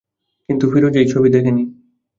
কিন্তু ফিরোজ এই ছবি দেখে নি।